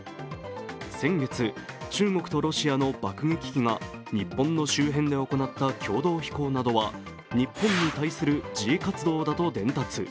先月、中国とロシアの爆撃機が日本の周辺で行った共同飛行などは日本に対する示威活動だと伝達。